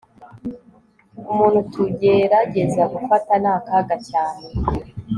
umuntu tugerageza gufata ni akaga cyane